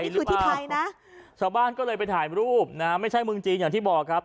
อยู่ที่ไทยนะชาวบ้านก็เลยไปถ่ายรูปนะไม่ใช่เมืองจีนอย่างที่บอกครับ